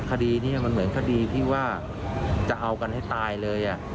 คดีนี้มันเหมือนคดีที่ว่าจะเอากันให้ตายเลย